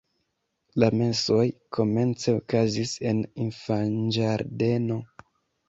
La mesoj komence okazis en infanĝardeno.